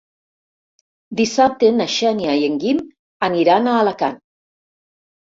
Dissabte na Xènia i en Guim aniran a Alacant.